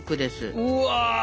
うわ！